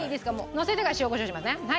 のせてから塩コショウしますね。